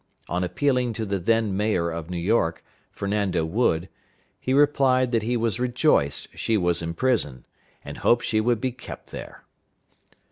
On appealing to the then mayor of New York, Fernando Wood, he replied that he was rejoiced she was in prison, and hoped she would be kept there.